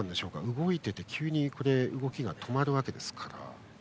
動いてて急に動きが止まるわけですから。